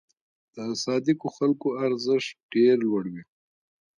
د صادقو خلکو ارزښت ډېر لوړ وي.